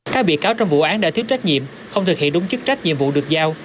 các bị cáo trong vụ án đã thiếu trách nhiệm không thực hiện đúng chức trách nhiệm vụ được giao